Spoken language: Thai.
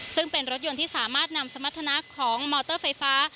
ซึ่งเป็นรถยนต์ที่สามารถนำสมรรถนะของมอเตอร์ไฟฟ้า